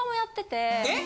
えっ？